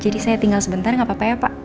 jadi saya tinggal sebentar gak apa apa ya pak